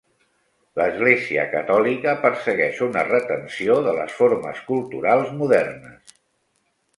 L'Església catòlica persegueix una retenció de les formes culturals modernes.